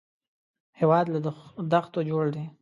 هېواد له دښتو جوړ دی